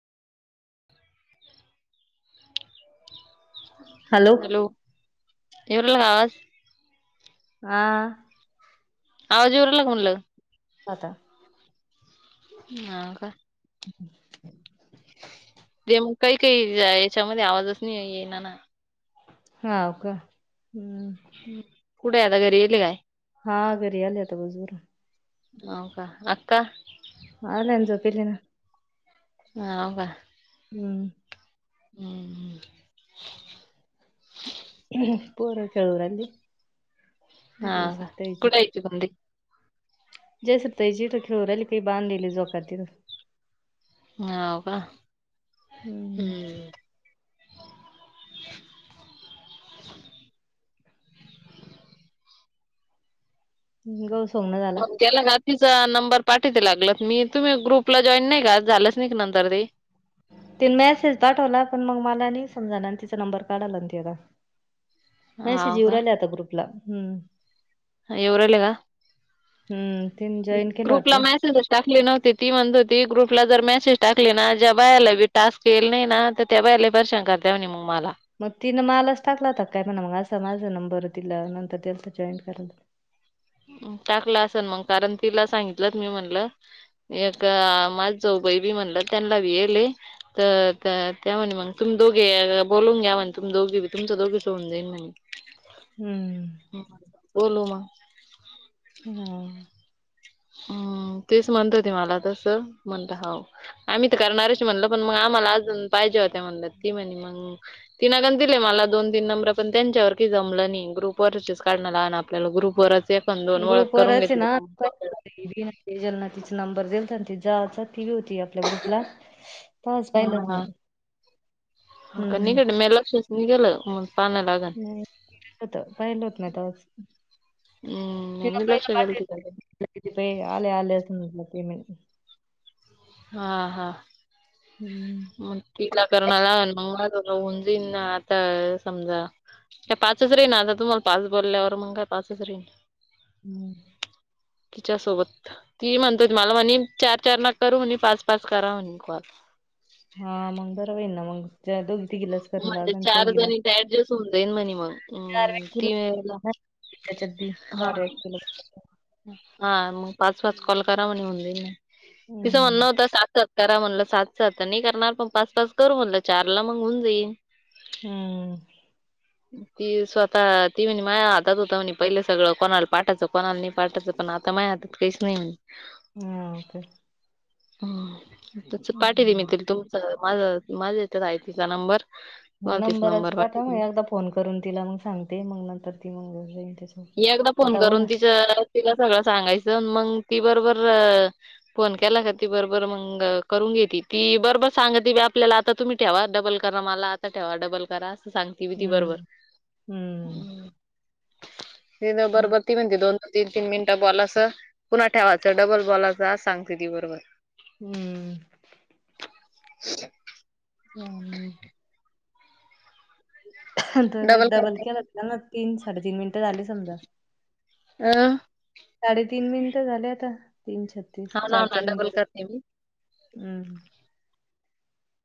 [inaudible] Hello. Hello, इवलाला का आवाज? हा आवाज इवलाला का म्हटलं? आता हं का? [unintelligible] ते काही काही याच्यामध्ये आवाजच नाही येईना, ना? हो का? हं कुठेय आता घरी गेले काय? हा घरी आले आता बजूरवुन हो का, अक्का? आणायला जा, पिल्यांन ला. हो का? हं हं..... पोरं खेळू राहिले हा का? कुठे आहे ती समदी? जयश्री ताईच्या इथं खेळू राहिली की, काही बांधली झोका तिथं? हो का? हम्म हं गौ, सोमना झाला. मग त्याला गं, तिचा नंबर पाठवते, लागलं तर. मी, तुम्ही ग्रुपला जॉईन नाही का? झालंच नाही, नंतर ते तिने मेसेज पाठवला, पण मग मला नाही समजला. तिचा नंबर काढायला, ना, तिला? मेसेज हो येवून का राहिले आता ग्रुपला, हं येवु राहिला का? हं तिन ग्रुपला मेसेज टाकली नव्हती, ती म्हणत होती, ग्रुपला जर मेसेज टाकली ना, ज्या बाईला बी टास्क येणार नाही ना, तर त्या... त्या बाया लय परेशान करतात, म्हण, मग मला! मग तिनं मालाच टाकला होता, काय, मग असा माझा नंबर दिला नंतर, त्यात जॉईन्ट करायला. टाकला असेल मग, कारण तिला सांगितलं मी, म्हणलं एक माझं जाऊबाई, बी म्हणलं, त्यांना बी येले. तर त्या, त्या म्हणाले, मग तुम्ही दोघे बोलून घ्या, म्हण, तुम दोघींचं बी, तुमचं दोघींचं होऊन जाईल मग [unintelligible] हं बोलु मग हं, तेच म्हणत होते मला, तसं म्हणलं, हो हं, तेच म्हणत होते मला, तसं म्हणलं, हो आम्ही तर करणारच, म्हणलं, पण मग आम्हाला अजून पाहिजे होत्या, म्हणलं, ती म्हणे, मग तिनं दिले मला दोन-तीन नंबरं, पण त्यांच्यावर काय जमलं नाही, ग्रुप वरचेच काढण, आणा! आपल्याला ग्रुपवरच एक दोन ओळख करून ग्रुपवरचे घेतले ना काय होते. ज्यांना तिचा नंबर दिलता ना ती होती आपल्या ग्रुपला तवाच पाहिलंच नाही हा कणी हम्म मह लक्षच नाही गेल पणला नाही पहिलं होतं पाहिलं होतं ना तवाच हम्म मह तिला नाही पहिलं लक्ष गेल पाठवलं तिकड किती रुपये आले आले सांगितले पेमेंट हा हा हम्म मग तिला करा लाग मग म तोघ उऊं जाईन ना आता समजा काय पाच रे ना आता तुम्हाला पाच बोलल्यावर मग काय पाच रहीन हम्म तिच्या सोबत ती म्हणतो ला म्हणे चार ना- - करू म्हणे पाच पाच करा म्हणे कॉल हा मग बरं वाईल ना मग ज दोघी तीघीलाच करण म्हणजे लागन चार चौघी जणी ऍडजस्ट होऊन जाईन म्हणे मग व्यक्तीला तीन वेळेला नाही, त्याच्यात बी हा चार व्यक्तीला हा मग पाच पाच कॉल करा म्हणे होऊन जाईन तिचं म्हणण हम्म होता स- - करा म्हणलं सात सात नाही करणार पण पाच पाच करू म्हणलं चारला मग होऊन जाईल. हम्म ती स्वतः ती म्ह माया हातात होता म्हणे पहिलं सगळं कोणाला पाठायचं कोणाला नाही पाठायचं पण आता माय हात- - तेच नाही म्हनी ह ह ह पाठी दे मी हम्म त तुमचं माझ माझ्या येचत आहे तिचा नंबर. ह तुम्हाला तीच नंबरच नंबर पाठव पाठीले मी एकदा फोन करून तिला मग सांगते मग नंतर ती मग घ ही एकदा फोन करून तिच तिला सगळं सांगायचं मग ती बरोबर फोन केला ख त बरोबर मंग करून घेते ती बरोबर सांग ती आपल्याला आता तुम्ही ठेवा डबल करा मला आता ठेवा डबल करा असं सांग तती हम्म बरबर हम्म त हम्म बरोबर ती म्हणते दोन तीन तीन मीनट बोला स पुन्हा ठेवायचं डबल बोलाचं सांगते ती बरोबर हम्म [unintelligible] हम्म काय डबल केलं ना तीन साडेतीन मिनिटं झाली समजा अं साडेतीन मिनिटं झाले आता तीन छत्तीस हा ना चार ना चार डबल मिनिट करते मी हम्